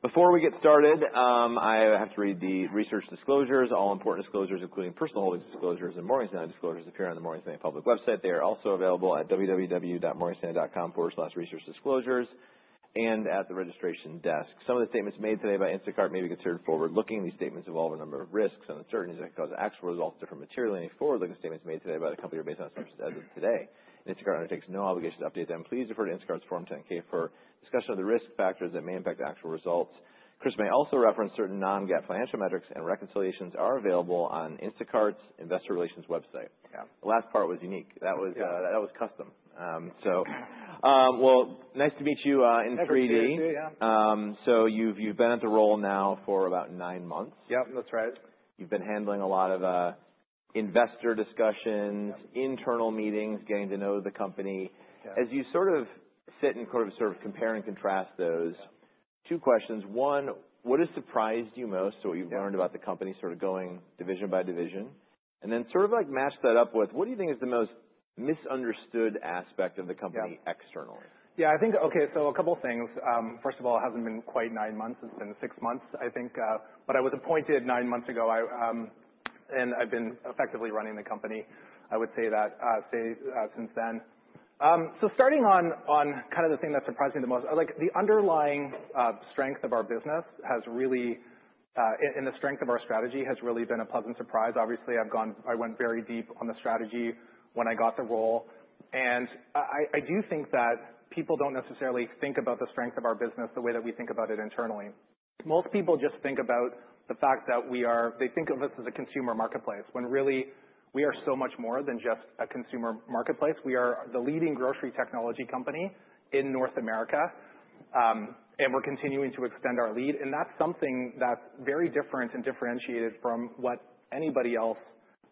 Before we get started, I have to read the research disclosures. All important disclosures, including personal holdings disclosures and Morgan Stanley disclosures, appear on the Morgan Stanley public website. They are also available at www.morganstanley.com/researchdisclosures and at the registration desk. Some of the statements made today by Instacart may be considered forward-looking. These statements involve a number of risks and uncertainties that cause actual results different materially. Any forward-looking statements made today by the company are based on as of today. Instacart undertakes no obligation to update them. Please refer to Instacart's Form 10-K for discussion of the risk factors that may impact actual results. Chris may also reference certain non-GAAP financial metrics, and reconciliations are available on Instacart's Investor Relations website. Yeah. The last part was unique. Yeah. That was, that was custom. Well, nice to meet you in 3D. Nice to see you. Yeah. You've been at the role now for about nine months. Yeah. That's right. You've been handling a lot of investor discussions. Yeah. Internal meetings, getting to know the company. Yeah. As you sort of sit and sort of compare and contrast those two questions. One, what has surprised you most or what you've learned about the company, sort of going division by division? Then sort of, like, match that up with what do you think is the most misunderstood aspect of the company externally? Yeah. Yeah, I think. Okay, a couple things. First of all, it hasn't been quite nine months. It's been six months, I think, but I was appointed nine months ago. I, and I've been effectively running the company, I would say that since then. Starting on kind of the thing that surprised me the most, like the underlying strength of our business has really and the strength of our strategy has really been a pleasant surprise. Obviously, I went very deep on the strategy when I got the role. I do think that people don't necessarily think about the strength of our business the way that we think about it internally. Most people just think about the fact that we are. They think of us as a consumer marketplace, when really we are so much more than just a consumer marketplace. We are the leading grocery technology company in North America, and we're continuing to extend our lead. That's something that's very different and differentiated from what anybody else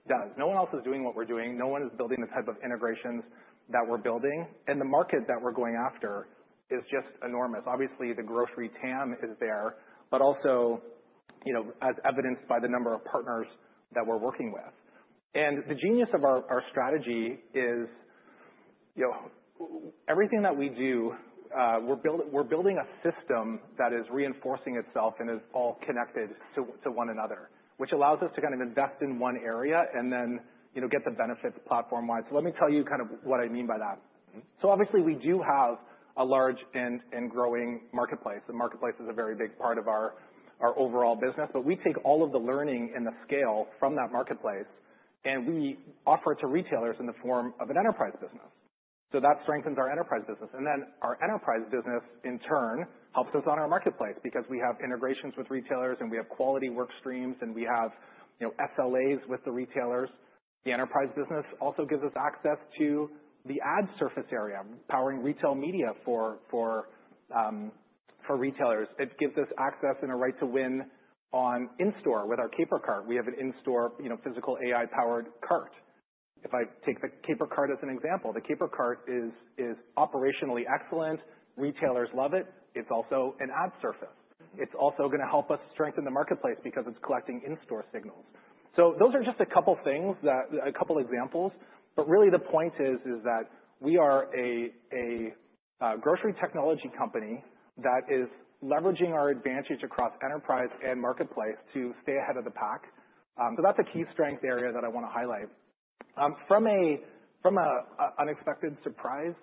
does. No one else is doing what we're doing. No one is building the type of integrations that we're building. The market that we're going after is just enormous. Obviously, the grocery TAM is there, but also, you know, as evidenced by the number of partners that we're working with. The genius of our strategy is, you know, everything that we do, we're building a system that is reinforcing itself and is all connected to one another, which allows us to kind of invest in one area and then, you know, get the benefit platform-wise. Let me tell you kind of what I mean by that. Mm-hmm. Obviously, we do have a large and growing marketplace. The marketplace is a very big part of our overall business, but we take all of the learning and the scale from that marketplace, and we offer it to retailers in the form of an enterprise business. That strengthens our enterprise business. Our enterprise business, in turn, helps us on our marketplace because we have integrations with retailers, and we have quality work streams, and we have, you know, SLAs with the retailers. The enterprise business also gives us access to the ad surface area, powering retail media for retailers. It gives us access and a right to win on in-store with our Caper Cart. We have an in-store, you know, physical AI-powered cart. If I take the Caper Cart as an example, the Caper Cart is operationally excellent. Retailers love it. It's also an ad surface. It's also gonna help us strengthen the marketplace because it's collecting in-store signals. Those are just a couple examples. Really the point is that we are a grocery technology company that is leveraging our advantage across enterprise and marketplace to stay ahead of the pack. That's a key strength area that I wanna highlight. From a unexpected surprise,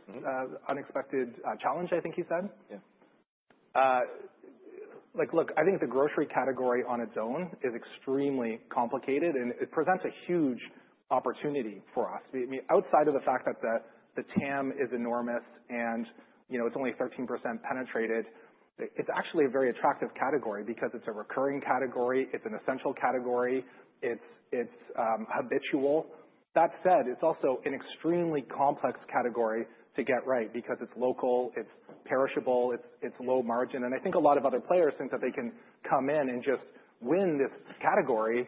unexpected challenge, I think you said. Yeah. Like, look, I think the grocery category on its own is extremely complicated. It presents a huge opportunity for us. I mean, outside of the fact that the TAM is enormous and, you know, it's only 13% penetrated, it's actually a very attractive category because it's a recurring category, it's an essential category, it's habitual. That said, it's also an extremely complex category to get right because it's local, it's perishable, it's low margin. I think a lot of other players think that they can come in and just win this category,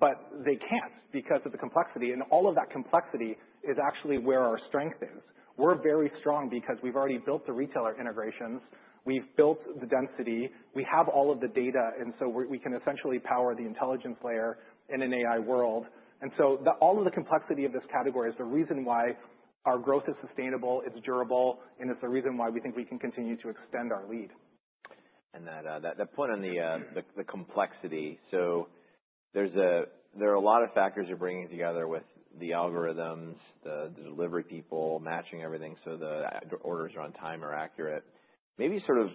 but they can't because of the complexity. All of that complexity is actually where our strength is. We're very strong because we've already built the retailer integrations. We've built the density. We have all of the data, we can essentially power the intelligence layer in an AI world. All of the complexity of this category is the reason why our growth is sustainable, it's durable, and it's the reason why we think we can continue to extend our lead. That point on the complexity. There are a lot of factors you're bringing together with the algorithms, the delivery people, matching everything so the orders are on time or accurate. Maybe sort of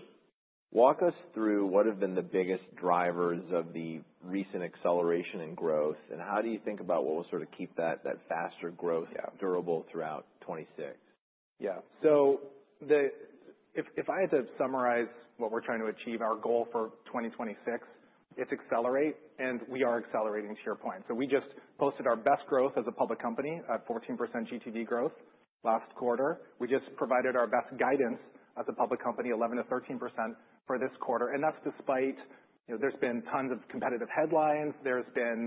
walk us through what have been the biggest drivers of the recent acceleration in growth, and how do you think about what will sort of keep that faster growth? Yeah. durable throughout 2026? If I had to summarize what we're trying to achieve, our goal for 2026, it's accelerate, and we are accelerating share points. We just posted our best growth as a public company at 14% GTV growth last quarter. We just provided our best guidance as a public company, 11%-13% for this quarter. That's despite, you know, there's been tons of competitive headlines. You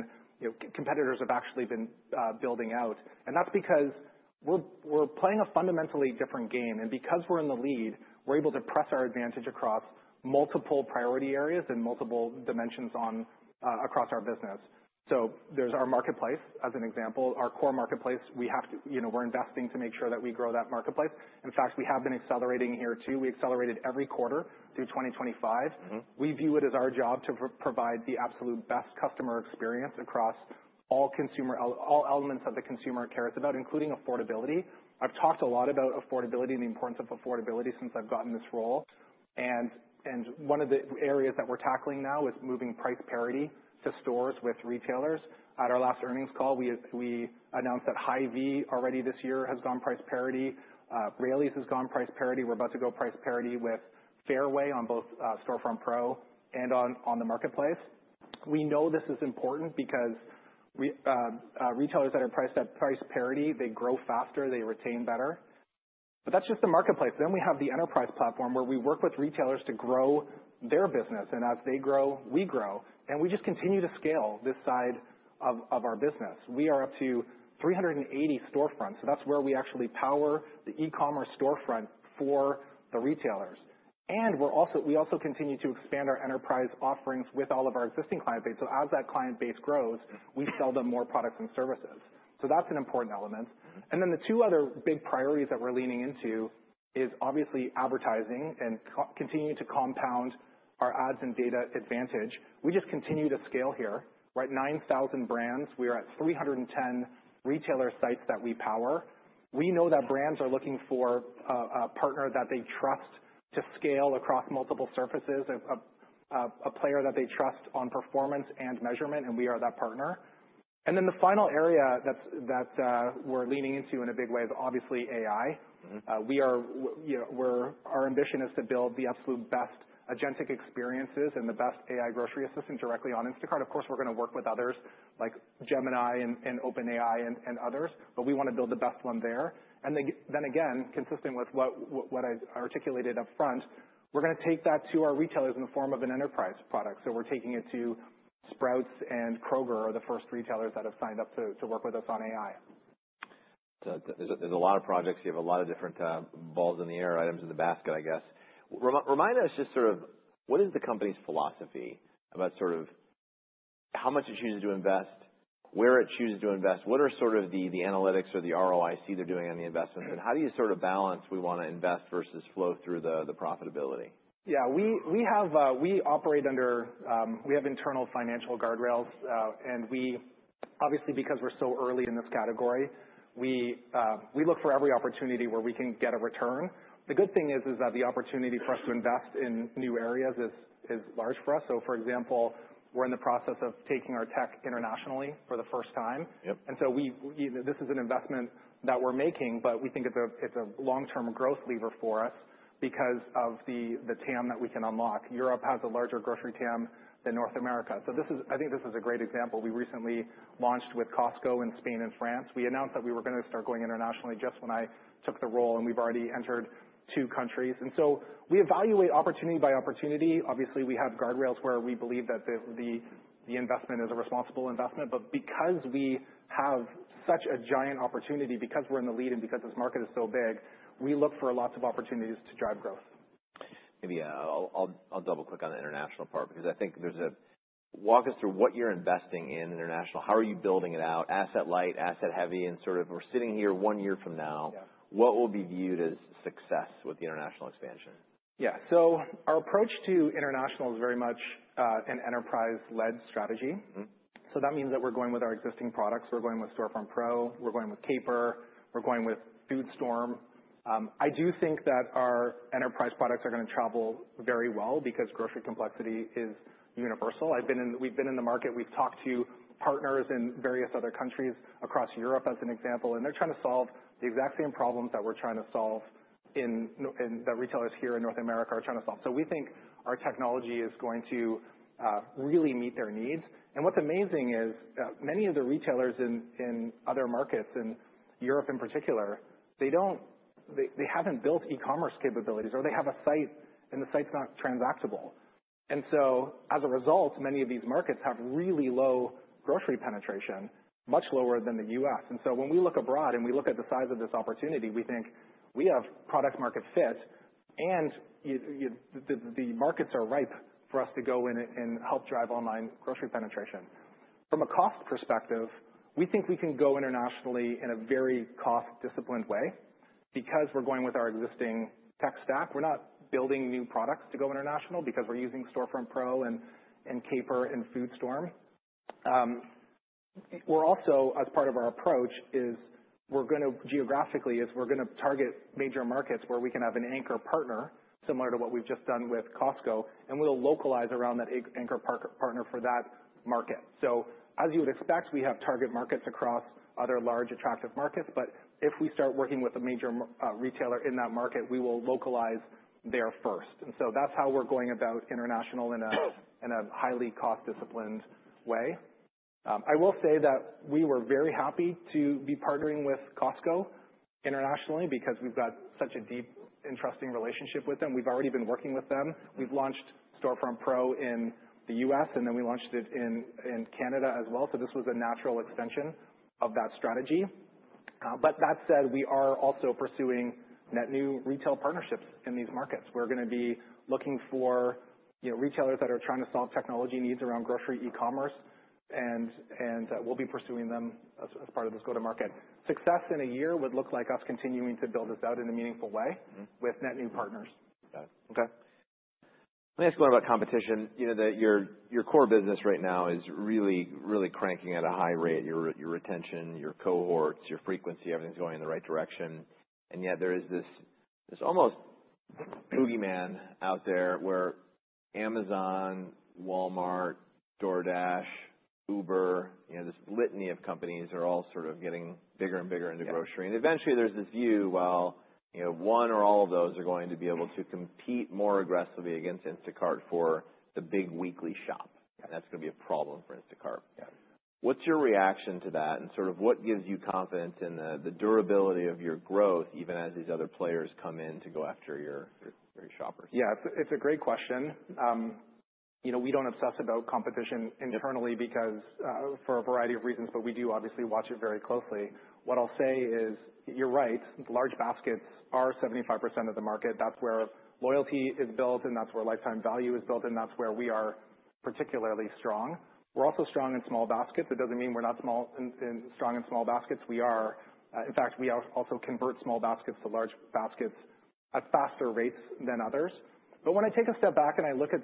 know, competitors have actually been building out. We're playing a fundamentally different game, and because we're in the lead, we're able to press our advantage across multiple priority areas and multiple dimensions across our business. There's our marketplace, as an example. Our core marketplace, you know, we're investing to make sure that we grow that marketplace. In fact, we have been accelerating here too. We accelerated every quarter through 2025. Mm-hmm. We view it as our job to provide the absolute best customer experience across all consumer all elements that the consumer cares about, including affordability. I've talked a lot about affordability and the importance of affordability since I've gotten this role. One of the areas that we're tackling now is moving price parity to stores with retailers. At our last earnings call, we announced that Hy-Vee already this year has gone price parity. Raley's has gone price parity. We're about to go price parity with Fairway on both Storefront Pro and on the marketplace. We know this is important because retailers that are priced at price parity, they grow faster, they retain better. That's just the marketplace. We have the enterprise platform, where we work with retailers to grow their business, and as they grow, we grow. We just continue to scale this side of our business. We are up to 380 storefronts, so that's where we actually power the e-commerce storefront for the retailers. We also continue to expand our enterprise offerings with all of our existing client base. As that client base grows, we sell them more products and services. That's an important element. Mm-hmm. The two other big priorities that we're leaning into is obviously advertising and continuing to compound our ads and data advantage. We just continue to scale here, right? 9,000 brands. We are at 310 retailer sites that we power. We know that brands are looking for a partner that they trust to scale across multiple surfaces of a player that they trust on performance and measurement, and we are that partner. The final area that's that we're leaning into in a big way is obviously AI. Mm-hmm. you know, our ambition is to build the absolute best agentic experiences and the best AI grocery assistant directly on Instacart. Of course, we're gonna work with others like Gemini and OpenAI and others, but we wanna build the best one there. Again, consistent with what I articulated up front, we're gonna take that to our retailers in the form of an enterprise product. We're taking it to Sprouts and Kroger are the first retailers that have signed up to work with us on AI. There's a lot of projects. You have a lot of different balls in the air, items in the basket, I guess. Remind us just sort of what is the company's philosophy about sort of how much it chooses to invest, where it chooses to invest, what are sort of the analytics or the ROIC they're doing on the investments, and how do you sort of balance we wanna invest versus flow through the profitability? Yeah. We operate under we have internal financial guardrails. Obviously, because we're so early in this category, we look for every opportunity where we can get a return. The good thing is that the opportunity for us to invest in new areas is large for us. For example, we're in the process of taking our tech internationally for the first time. Yep. We, you know, this is an investment that we're making, but we think it's a long-term growth lever for us because of the TAM that we can unlock. Europe has a larger grocery TAM than North America. I think this is a great example. We recently launched with Costco in Spain and France. We announced that we were gonna start going internationally just when I took the role, and we've already entered two countries. We evaluate opportunity by opportunity. Obviously, we have guardrails where we believe that the investment is a responsible investment. Because we have such a giant opportunity, because we're in the lead, and because this market is so big, we look for lots of opportunities to drive growth. Maybe I'll double-click on the international part because I think there's a. Walk us through what you're investing in international. How are you building it out? Asset light, asset heavy, and sort of we're sitting here one year from now. Yeah. What will be viewed as success with the international expansion? Yeah. Our approach to international is very much, an enterprise-led strategy. Mm-hmm. That means that we're going with our existing products. We're going with Storefront Pro, we're going with Caper, we're going with FoodStorm. I do think that our enterprise products are gonna travel very well because grocery complexity is universal. We've been in the market. We've talked to partners in various other countries across Europe as an example, and they're trying to solve the exact same problems that we're trying to solve that retailers here in North America are trying to solve. We think our technology is going to really meet their needs. What's amazing is, many of the retailers in other markets, in Europe in particular, they haven't built e-commerce capabilities, or they have a site and the site's not transactable. As a result, many of these markets have really low grocery penetration, much lower than the U.S. When we look abroad and we look at the size of this opportunity, we think we have product market fit and the markets are ripe for us to go in it and help drive online grocery penetration. From a cost perspective, we think we can go internationally in a very cost-disciplined way because we're going with our existing tech stack. We're not building new products to go international because we're using Storefront Pro and Caper and FoodStorm. We're also, as part of our approach, geographically, we're gonna target major markets where we can have an anchor partner similar to what we've just done with Costco, and we'll localize around that an anchor partner for that market. As you would expect, we have target markets across other large attractive markets, but if we start working with a major retailer in that market, we will localize there first. That's how we're going about international in a highly cost-disciplined way. I will say that we were very happy to be partnering with Costco internationally because we've got such a deep and trusting relationship with them. We've already been working with them. We've launched Storefront Pro in the U.S., and then we launched it in Canada as well, so this was a natural extension of that strategy. That said, we are also pursuing net new retail partnerships in these markets. We're gonna be looking for, you know, retailers that are trying to solve technology needs around grocery e-commerce, and we'll be pursuing them as part of this go-to-market. Success in a year would look like us continuing to build this out in a meaningful way. Mm-hmm. With net new partners. Got it. Okay. Let me ask more about competition. You know, that your core business right now is really, really cranking at a high rate. Your, your retention, your cohorts, your frequency, everything's going in the right direction. Yet there is this almost boogeyman out there where Amazon, Walmart, DoorDash, Uber, you know, this litany of companies are all sort of getting bigger and bigger into grocery. Yeah. Eventually there's this view, well, you know, one or all of those are going to be able to compete more aggressively against Instacart for the big weekly shop. Yeah. That's gonna be a problem for Instacart. Yeah. What's your reaction to that? Sort of what gives you confidence in the durability of your growth, even as these other players come in to go after your shoppers? Yeah. It's a great question. you know, we don't obsess about competition internally because for a variety of reasons, but we do obviously watch it very closely. What I'll say is, you're right, large baskets are 75% of the market. That's where loyalty is built, and that's where lifetime value is built, and that's where we are particularly strong. We're also strong in small baskets. It doesn't mean we're not strong in small baskets, we are. In fact, we also convert small baskets to large baskets at faster rates than others. When I take a step back and I look at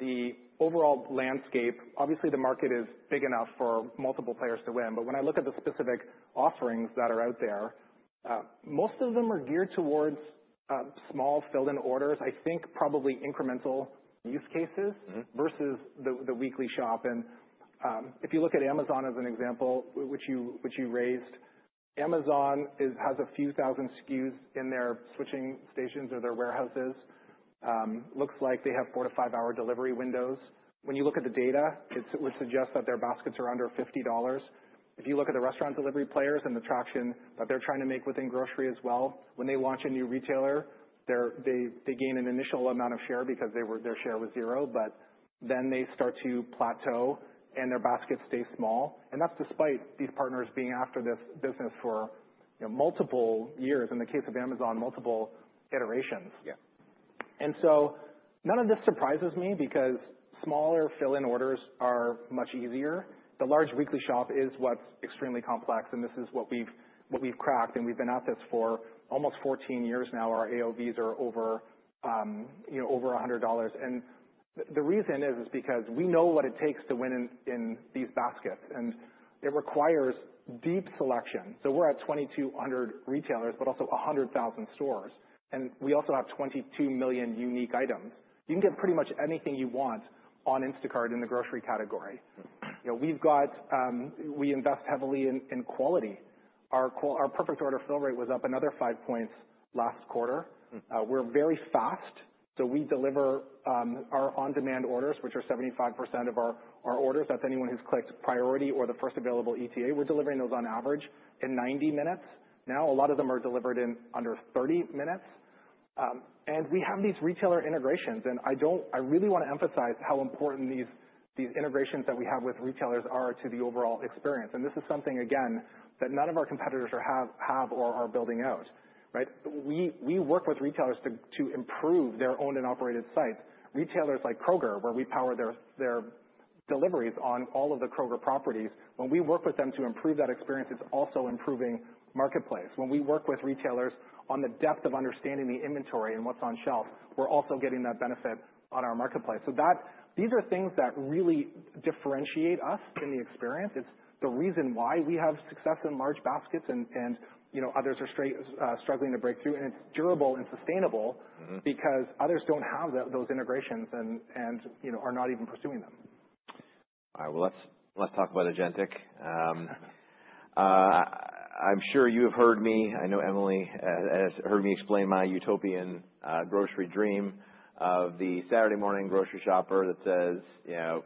the overall landscape, obviously the market is big enough for multiple players to win. When I look at the specific offerings that are out there, most of them are geared towards small fill-in orders. I think probably incremental use cases. Mm-hmm. Versus the weekly shop. If you look at Amazon as an example, which you raised, Amazon has a few thousand SKUs in their switching stations or their warehouses. Looks like they have four to five hour delivery windows. When you look at the data, it would suggest that their baskets are under $50. If you look at the restaurant delivery players and the traction that they're trying to make within grocery as well, when they launch a new retailer, they gain an initial amount of share because their share was zero, but then they start to plateau and their baskets stay small. That's despite these partners being after this business for, you know, multiple years. In the case of Amazon, multiple iterations. Yeah. None of this surprises me because smaller fill-in orders are much easier. The large weekly shop is what's extremely complex, and this is what we've cracked, and we've been at this for almost 14 years now. Our AOVs are over, you know, over $100. The reason is because we know what it takes to win in these baskets, and it requires deep selection. We're at 2,200 retailers, but also 100,000 stores, and we also have 22 million unique items. You can get pretty much anything you want on Instacart in the grocery category. You know, we've got... We invest heavily in quality. Our perfect order fill rate was up another 5 points last quarter. Mm. We're very fast. We deliver our on-demand orders, which are 75% of our orders. That's anyone who's clicked priority or the first available ETA. We're delivering those on average in 90 minutes. Now, a lot of them are delivered in under 30 minutes. We have these retailer integrations. I really wanna emphasize how important these integrations that we have with retailers are to the overall experience. This is something, again, that none of our competitors have or are building out, right? We work with retailers to improve their owned and operated sites. Retailers like Kroger, where we power their deliveries on all of the Kroger properties. When we work with them to improve that experience, it's also improving marketplace. When we work with retailers on the depth of understanding the inventory and what's on shelf, we're also getting that benefit on our marketplace. These are things that really differentiate us in the experience. It's the reason why we have success in large baskets and, you know, others are straight struggling to break through. It's durable and sustainable. Mm-hmm. Others don't have those integrations and, you know, are not even pursuing them. All right. Well, let's talk about agentic. I'm sure you have heard me, I know Emily has heard me explain my utopian grocery dream of the Saturday morning grocery shopper that says, you know,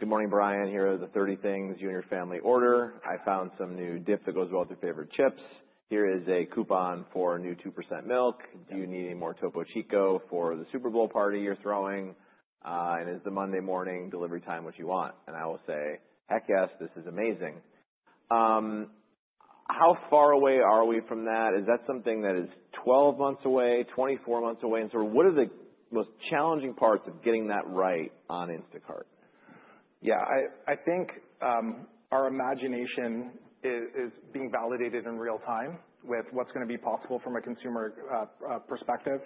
"Good morning, Brian. Here are the 30 things you and your family order. I found some new dip that goes well with your favorite chips. Here is a coupon for a new 2% milk. Do you need any more Topo Chico for the Super Bowl party you're throwing? Is the Monday morning delivery time what you want?" I will say, "Heck yes, this is amazing." How far away are we from that? Is that something that is 12 months away, 24 months away? Sort of what are the most challenging parts of getting that right on Instacart? Yeah. I think our imagination is being validated in real time with what's gonna be possible from a consumer perspective.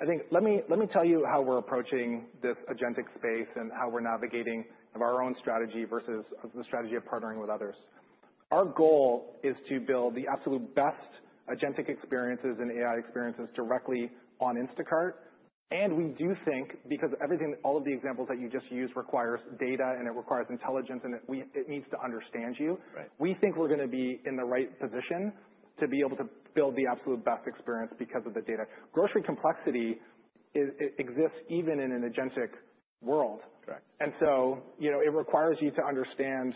I think, let me tell you how we're approaching this agentic space and how we're navigating of our own strategy versus of the strategy of partnering with others. Our goal is to build the absolute best agentic experiences and AI experiences directly on Instacart. We do think because everything, all of the examples that you just used requires data and it requires intelligence, it needs to understand you. Right. We think we're gonna be in the right position to be able to build the absolute best experience because of the data. Grocery complexity exists even in an agentic world. Right. You know, it requires you to understand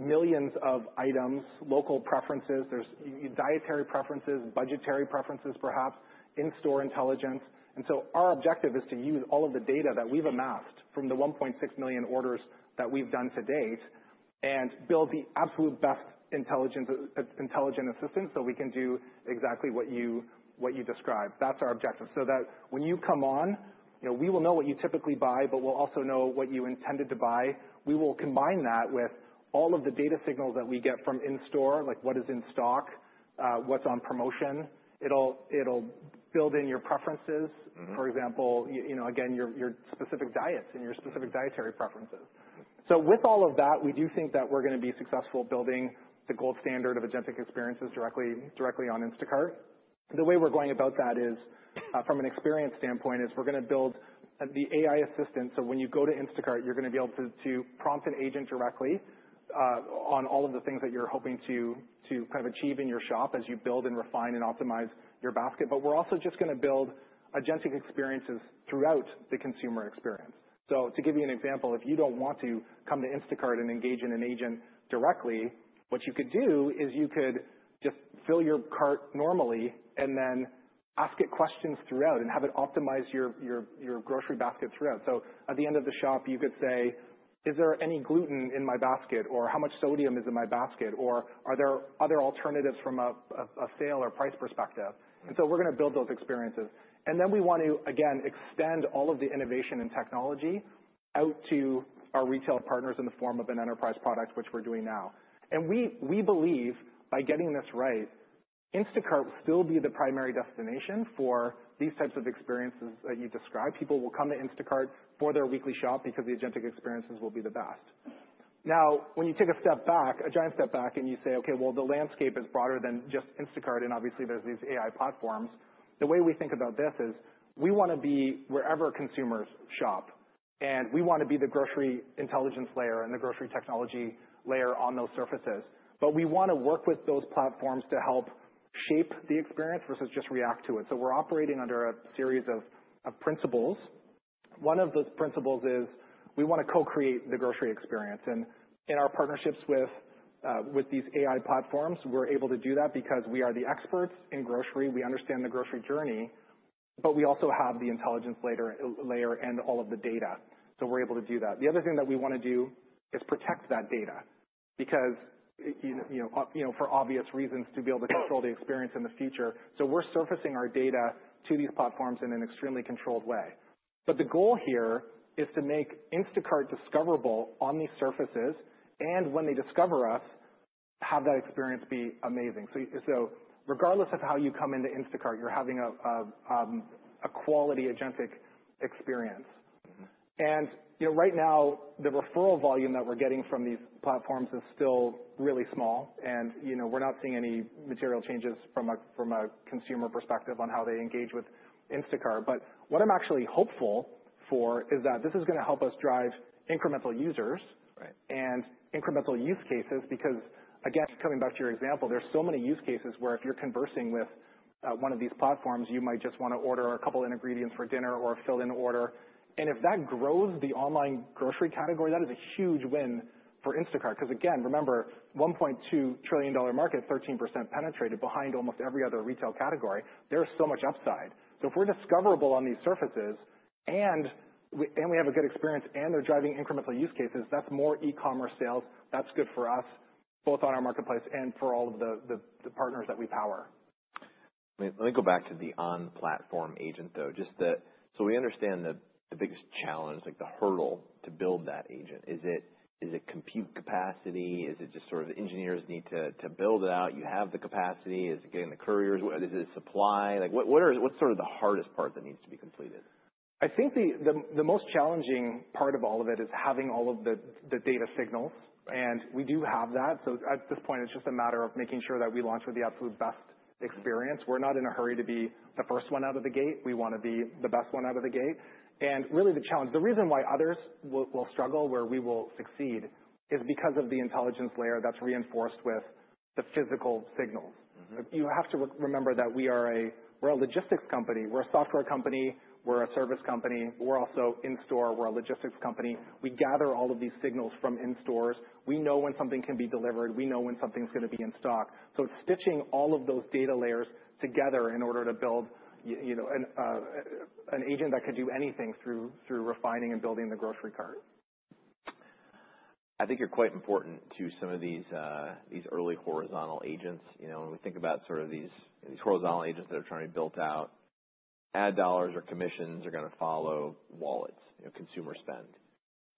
millions of items, local preferences. There's dietary preferences, budgetary preferences, perhaps in-store intelligence. Our objective is to use all of the data that we've amassed from the 1.6 million orders that we've done to date, and build the absolute best intelligent assistant, so we can do exactly what you, what you described. That's our objective. That when you come on, you know, we will know what you typically buy, but we'll also know what you intended to buy. We will combine that with all of the data signals that we get from in-store, like what is in stock, what's on promotion. It'll build in your preferences. Mm-hmm. For example, you know, again, your specific diets and your specific dietary preferences. With all of that, we do think that we're gonna be successful building the gold standard of agentic experiences directly on Instacart. The way we're going about that is from an experience standpoint, we're gonna build the AI assistant, so when you go to Instacart, you're gonna be able to prompt an agent directly on all of the things that you're hoping to kind of achieve in your shop as you build and refine and optimize your basket. We're also just gonna build agentic experiences throughout the consumer experience. To give you an example, if you don't want to come to Instacart and engage an agent directly, what you could do is you could just fill your cart normally and then ask it questions throughout and have it optimize your grocery basket throughout. At the end of the shop, you could say, "Is there any gluten in my basket?" Or, "How much sodium is in my basket?" Or, "Are there other alternatives from a sale or price perspective?" We're gonna build those experiences. We want to, again, extend all of the innovation in technology out to our retail partners in the form of an enterprise product, which we're doing now. We believe, by getting this right, Instacart will still be the primary destination for these types of experiences that you described. People will come to Instacart for their weekly shop because the agentic experiences will be the best. When you take a step back, a giant step back, and you say, "Okay, well, the landscape is broader than just Instacart, and obviously there's these AI platforms," the way we think about this is, we wanna be wherever consumers shop, and we wanna be the grocery intelligence layer and the grocery technology layer on those surfaces. We wanna work with those platforms to help shape the experience versus just react to it, so we're operating under a series of principles. One of those principles is we wanna co-create the grocery experience. In our partnerships with these AI platforms, we're able to do that because we are the experts in grocery. We understand the grocery journey, but we also have the intelligence layer and all of the data. We're able to do that. The other thing that we wanna do is protect that data because, you know, you know, for obvious reasons, to be able to control the experience in the future. We're surfacing our data to these platforms in an extremely controlled way. The goal here is to make Instacart discoverable on these surfaces, and when they discover us, have that experience be amazing. Regardless of how you come into Instacart, you're having a quality agentic experience. Mm-hmm. You know, right now, the referral volume that we're getting from these platforms is still really small. You know, we're not seeing any material changes from a consumer perspective on how they engage with Instacart. What I'm actually hopeful for is that this is gonna help us drive incremental users... Right. and incremental use cases, because I guess coming back to your example, there are so many use cases where if you're conversing with one of these platforms, you might just wanna order a couple of ingredients for dinner or a fill-in order. If that grows the online grocery category, that is a huge win for Instacart. 'Cause again, remember, $1.2 trillion market, 13% penetrated behind almost every other retail category. There's so much upside. If we're discoverable on these surfaces, and we have a good experience and they're driving incremental use cases, that's more e-commerce sales. That's good for us, both on our marketplace and for all of the partners that we power. Let me go back to the on-platform agent, though. We understand the biggest challenge, like the hurdle to build that agent. Is it, is it compute capacity? Is it just sort of the engineers need to build it out? You have the capacity. Is it, again, the couriers? Is it supply? Like what's sort of the hardest part that needs to be completed? I think the most challenging part of all of it is having all of the data signals, and we do have that. At this point, it's just a matter of making sure that we launch with the absolute best experience. We're not in a hurry to be the first one out of the gate. We wanna be the best one out of the gate. Really, the challenge. The reason why others will struggle where we will succeed is because of the intelligence layer that's reinforced with the physical signals. Mm-hmm. You have to re-remember that we're a logistics company. We're a software company. We're a service company. We're also in-store. We're a logistics company. We gather all of these signals from in-stores. We know when something can be delivered. We know when something's gonna be in stock. It's stitching all of those data layers together in order to build you know, an agent that can do anything through refining and building the grocery cart. I think you're quite important to some of these early horizontal agents. You know, when we think about sort of these horizontal agents that are trying to be built out, ad dollars or commissions are gonna follow wallets, you know, consumer spend.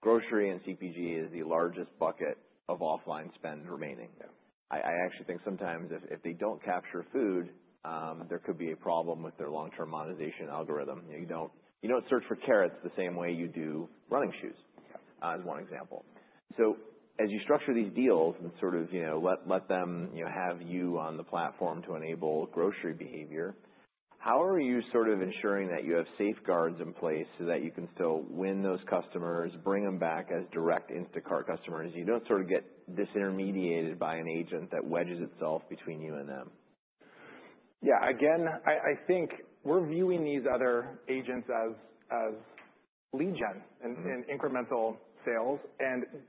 Grocery and CPG is the largest bucket of offline spend remaining. Yeah. I actually think sometimes if they don't capture food, there could be a problem with their long-term monetization algorithm. You know, you don't search for carrots the same way you do running shoes. Yeah. As one example. As you structure these deals and sort of, you know, let them, you know, have you on the platform to enable grocery behavior, how are you sort of ensuring that you have safeguards in place so that you can still win those customers, bring them back as direct Instacart customers? You don't sort of get disintermediated by an agent that wedges itself between you and them? Yeah. Again, I think we're viewing these other agents as lead gen-. Mm-hmm. Incremental sales.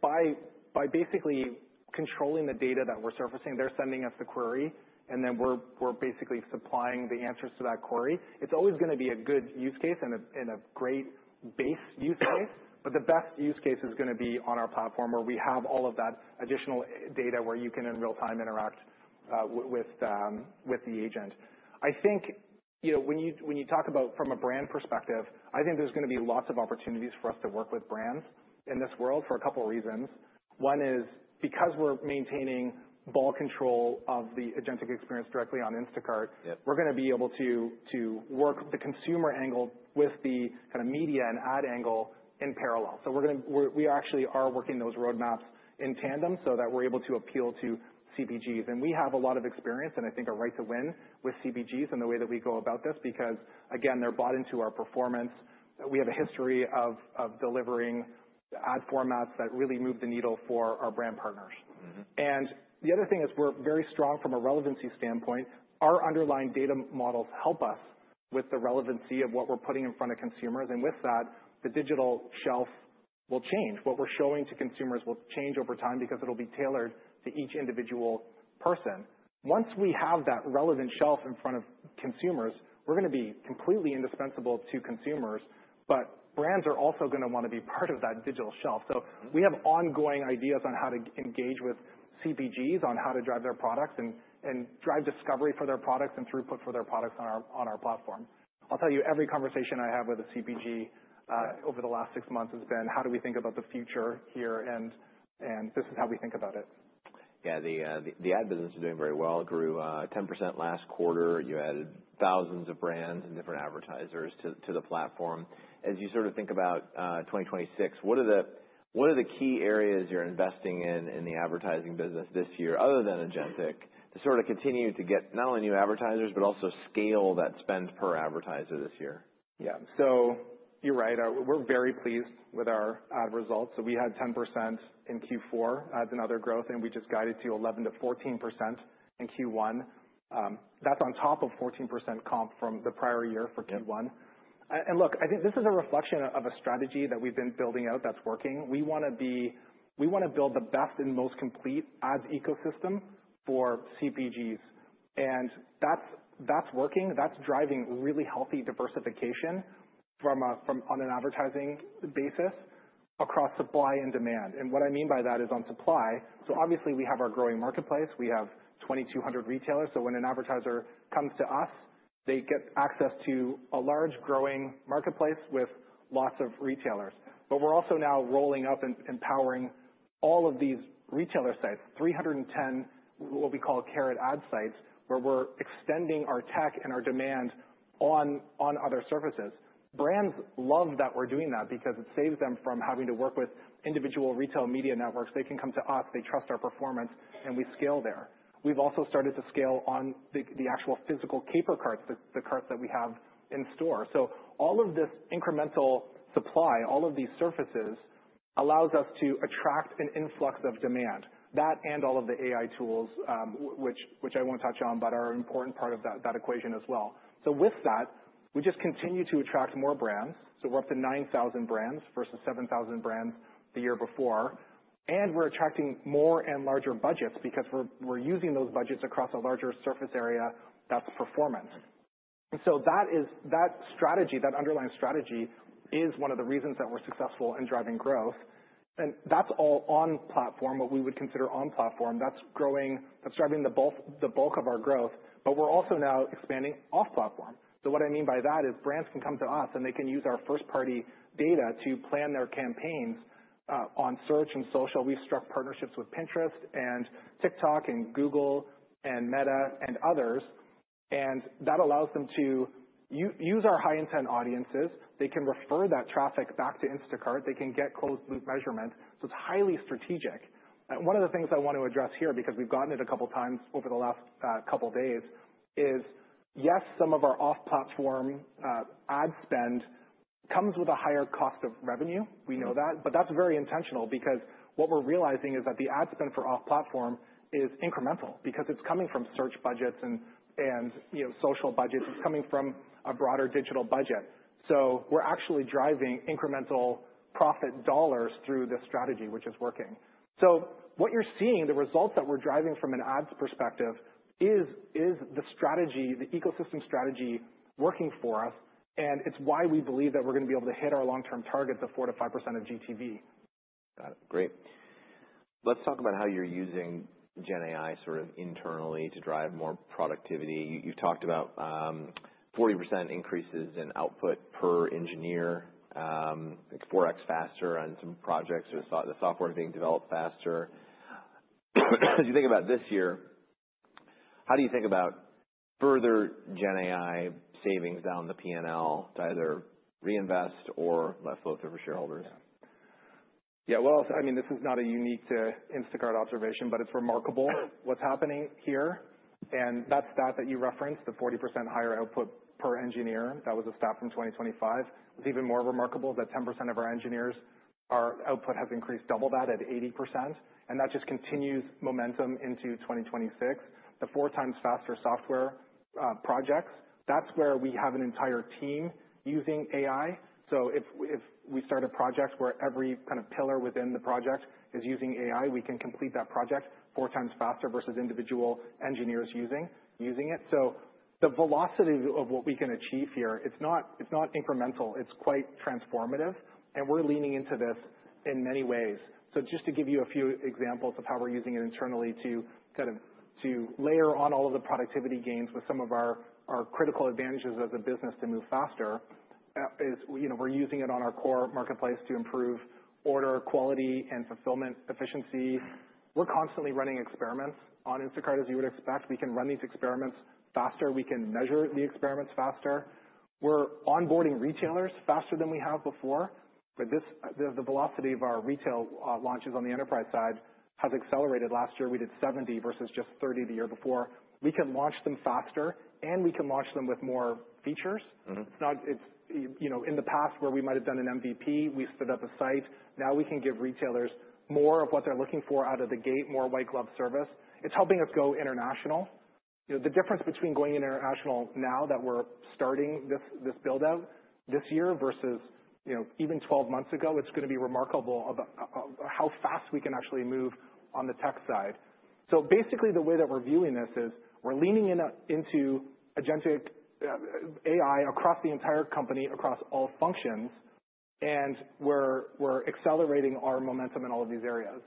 By basically controlling the data that we're surfacing. They're sending us the query, and then we're basically supplying the answers to that query. It's always gonna be a good use case and a great base use case, but the best use case is gonna be on our platform, where we have all of that additional data where you can, in real time, interact with the agent. I think, you know, when you talk about from a brand perspective, I think there's gonna be lots of opportunities for us to work with brands in this world for a couple reasons. One is, because we're maintaining ball control of the agentic experience directly on Instacart- Yeah. We're gonna be able to work the consumer angle with the kind of media and ad angle in parallel. We actually are working those roadmaps in tandem so that we're able to appeal to CPGs. We have a lot of experience, and I think a right to win with CPGs in the way that we go about this because, again, they're bought into our performance. We have a history of delivering ad formats that really move the needle for our brand partners. Mm-hmm. The other thing is we're very strong from a relevancy standpoint. Our underlying data models help us with the relevancy of what we're putting in front of consumers. With that, the digital shelf will change. What we're showing to consumers will change over time because it'll be tailored to each individual person. Once we have that relevant shelf in front of consumers, we're gonna be completely indispensable to consumers, but brands are also gonna wanna be part of that digital shelf. We have ongoing ideas on how to engage with CPGs on how to drive their products and drive discovery for their products and throughput for their products on our, on our platform. I'll tell you, every conversation I have with a CPG, over the last six months has been, "How do we think about the future here?" This is how we think about it. Yeah. The ad business is doing very well. Grew 10% last quarter. You added thousands of brands and different advertisers to the platform. As you sort of think about 2026, what are the key areas you're investing in in the advertising business this year, other than agentic, to sort of continue to get not only new advertisers, but also scale that spend per advertiser this year? Yeah. You're right. We're very pleased with our ad results. We had 10% in Q4 as another growth, and we just guided to 11%-14% in Q1. That's on top of 14% comp from the prior year for Q1. Look, I think this is a reflection of a strategy that we've been building out that's working. We wanna build the best and most complete ads ecosystem for CPGs, and that's working. That's driving really healthy diversification on an advertising basis across supply and demand. What I mean by that is on supply. Obviously we have our growing marketplace. We have 2,200 retailers. When an advertiser comes to us, they get access to a large growing marketplace with lots of retailers. We're also now rolling up and empowering all of these retailer sites, 310, what we call Carrot Ads sites, where we're extending our tech and our demand on other surfaces. Brands love that we're doing that because it saves them from having to work with individual retail media networks. They can come to us, they trust our performance, and we scale there. We've also started to scale on the actual physical Caper Carts, the carts that we have in store. All of this incremental supply, all of these surfaces, allows us to attract an influx of demand. That and all of the AI tools, which I won't touch on, but are an important part of that equation as well. With that, we just continue to attract more brands. We're up to 9,000 brands versus 7,000 brands the year before. We're attracting more and larger budgets because we're using those budgets across a larger surface area that's performant. That strategy, that underlying strategy is one of the reasons that we're successful in driving growth. That's all on platform, what we would consider on platform. That's driving the bulk of our growth. We're also now expanding off platform. What I mean by that is brands can come to us, and they can use our first-party data to plan their campaigns on search and social. We've struck partnerships with Pinterest and TikTok and Google and Meta and others, and that allows them to use our high-intent audiences. They can refer that traffic back to Instacart. They can get closed-loop measurement, so it's highly strategic. One of the things I want to address here, because we've gotten it a couple times over the last couple days is, yes, some of our off-platform ad spend comes with a higher cost of revenue. We know that, but that's very intentional because what we're realizing is that the ad spend for off platform is incremental because it's coming from search budgets and, you know, social budgets. It's coming from a broader digital budget. We're actually driving incremental profit dollars through this strategy, which is working. What you're seeing, the results that we're driving from an ads perspective is the strategy, the ecosystem strategy working for us, and it's why we believe that we're gonna be able to hit our long-term targets of 4%-5% of GTV. Got it. Great. Let's talk about how you're using GenAI sort of internally to drive more productivity. You talked about, 40% increases in output per engineer, like 4x faster on some projects. The software being developed faster. As you think about this year, how do you think about further GenAI savings down the P&L to either reinvest or less flow through for shareholders? Well, I mean, this is not a unique to Instacart observation, but it's remarkable what's happening here. That stat that you referenced, the 40% higher output per engineer, that was a stat from 2025. It's even more remarkable that 10% of our engineers, our output has increased double that at 80%, that just continues momentum into 2026. The four times faster software projects, that's where we have an entire team using AI. If we start a project where every kind of pillar within the project is using AI, we can complete that project four times faster versus individual engineers using it. The velocity of what we can achieve here, it's not incremental, it's quite transformative, we're leaning into this in many ways. Just to give you a few examples of how we're using it internally to kind of, to layer on all of the productivity gains with some of our critical advantages as a business to move faster, is, you know, we're using it on our core marketplace to improve order quality and fulfillment efficiency. We're constantly running experiments on Instacart, as you would expect. We can run these experiments faster. We can measure the experiments faster. We're onboarding retailers faster than we have before. This, the velocity of our retail launches on the enterprise side has accelerated. Last year we did 70 versus just 30 the year before. We can launch them faster, and we can launch them with more features. Mm-hmm. It's not, it's, you know, in the past where we might have done an MVP, we stood up a site. Now we can give retailers more of what they're looking for out of the gate, more white glove service. It's helping us go international. You know, the difference between going international now that we're starting this build-out this year versus, you know, even 12 months ago, it's gonna be remarkable how fast we can actually move on the tech side. Basically, the way that we're viewing this is we're leaning into agentic AI across the entire company, across all functions. We're accelerating our momentum in all of these areas.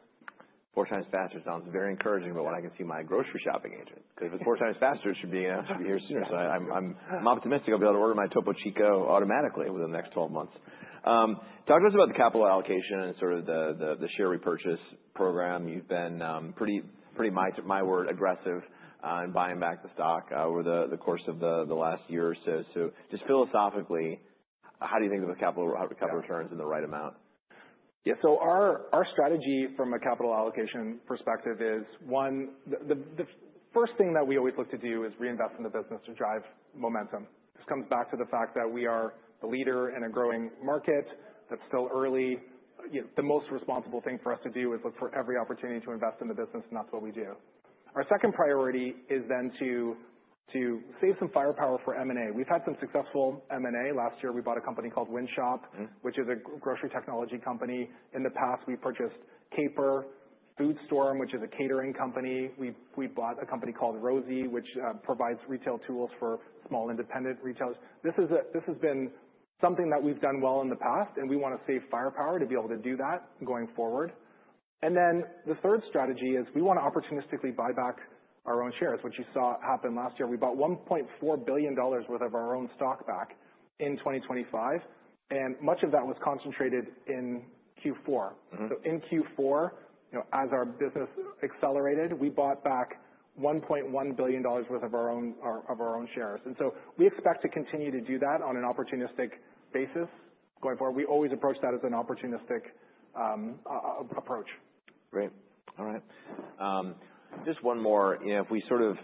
Four times faster sounds very encouraging. When I can see my grocery shopping agent, 'cause if it's four times faster, it should be here sooner. I'm optimistic I'll be able to order my Topo Chico automatically within the next 12 months. Talk to us about the capital allocation and sort of the share repurchase program. You've been pretty, my word, aggressive in buying back the stock over the course of the last year or so. Just philosophically, how do you think of the capital, how the capital returns in the right amount? Yeah. Our strategy from a capital allocation perspective is, one, the first thing that we always look to do is reinvest in the business to drive momentum. This comes back to the fact that we are a leader in a growing market that's still early. You know, the most responsible thing for us to do is look for every opportunity to invest in the business, and that's what we do. Our second priority is then to save some firepower for M&A. We've had some successful M&A. Last year, we bought a company called Wynshop. Mm. -which is a grocery technology company. In the past, we purchased Caper FoodStorm, which is a catering company. We bought a company called Rosie, which provides retail tools for small independent retailers. This has been something that we've done well in the past, and we wanna save firepower to be able to do that going forward. The third strategy is we wanna opportunistically buy back our own shares, which you saw happen last year. We bought $1.4 billion worth of our own stock back in 2025, and much of that was concentrated in Q4. Mm-hmm. In Q4, you know, as our business accelerated, we bought back $1.1 billion worth of our own shares. We expect to continue to do that on an opportunistic basis going forward. We always approach that as an opportunistic approach. Great. All right. Just one more. You know, if we sort of...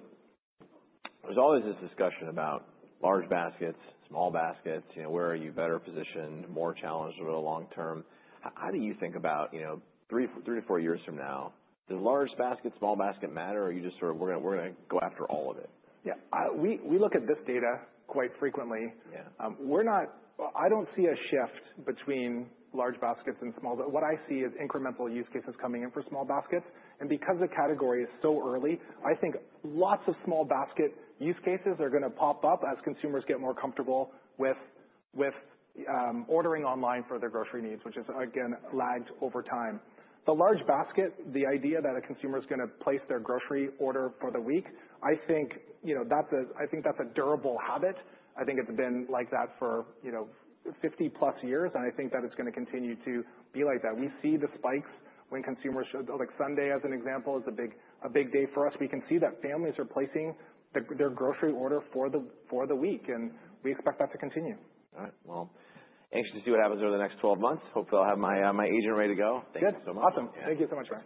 There's always this discussion about large baskets, small baskets, you know, where are you better positioned, more challenged over the long term. How do you think about, you know, three to four years from now, does large basket, small basket matter, or are you just sort of we're gonna go after all of it? Yeah. We look at this data quite frequently. Yeah. I don't see a shift between large baskets and small. What I see is incremental use cases coming in for small baskets. Because the category is so early, I think lots of small basket use cases are gonna pop up as consumers get more comfortable with ordering online for their grocery needs, which has again lagged over time. The large basket, the idea that a consumer is gonna place their grocery order for the week, I think, you know, that's a durable habit. I think it's been like that for, you know, 50+ years, and I think that it's gonna continue to be like that. We see the spikes when consumers show. Like Sunday, as an example, is a big day for us. We can see that families are placing their grocery order for the week. We expect that to continue. All right. Well, anxious to see what happens over the next 12 months. Hopefully, I'll have my agent ready to go. Thank you so much. Good. Awesome. Thank you so much, Brian.